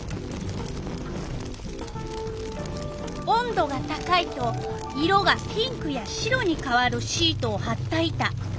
温度が高いと色がピンクや白にかわるシートをはった板。